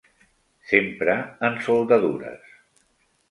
S'empra en soldadures.